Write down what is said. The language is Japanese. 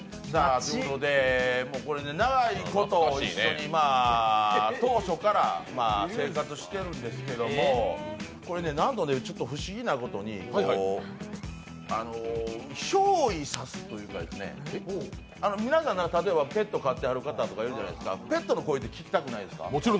長いこと一緒に、当初から生活しているんですけどなんと不思議なことにひょう依さすというかね、皆さん、例えばペットを飼ってる方いると思いますけどペットの声って聞きたくないですか？